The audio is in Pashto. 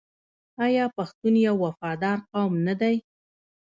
آیا پښتون یو وفادار قوم نه دی؟